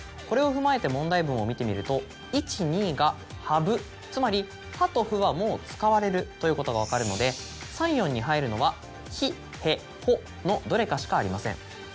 これを踏まえて問題文を見てみると「１２がハブ」つまり「ハ」と「フ」はもう使われるということが分かるので３４に入るのは「ヒ」「ヘ」「ホ」のどれかしかありません。